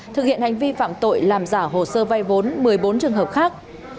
thực hiện hành vi phạm tội làm giả hồ sơ vay vốn một mươi bốn trường hợp khác